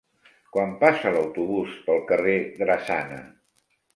Quan passa l'autobús pel carrer Drassana?